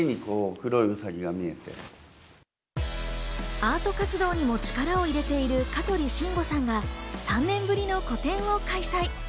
アート活動にも力を入れている香取慎吾さんが３年ぶりの個展を開催。